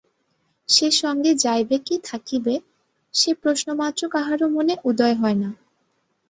সে সঙ্গে যাইবে কি থাকিবে, সে প্রশ্নমাত্র কাহারো মনে উদয় হয় না।